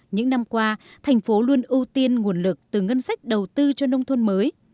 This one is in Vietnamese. những năm qua thành phố luôn ưu tiên nguồn lực từ ngân sách đầu tư cho nông thôn mới